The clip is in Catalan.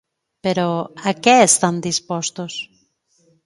Però, a què estan dispostos?